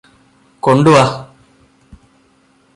കൊണ്ട് വാ